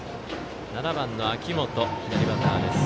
７番の秋元、左バッターです。